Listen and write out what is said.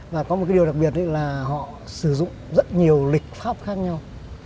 và có một cái điều đặc biệt là họ sử dụng rất nhiều lịch pháp khác nhau